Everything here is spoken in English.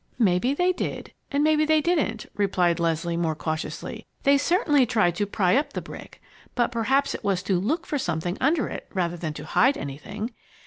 "Maybe they did and maybe they didn't," replied Leslie, more cautiously. "They certainly tried to pry up the brick, but perhaps it was to look for something under it, rather than to hide anything.